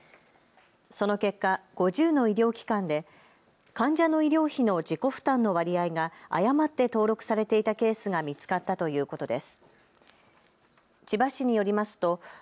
その結果、５０の医療機関で患者の医療費の自己負担の割合が誤って登録されていたケースが見つかったということです。